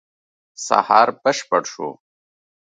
سهار بشپړ شو.